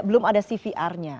belum ada cvr nya